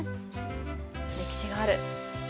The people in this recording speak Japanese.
歴史がある。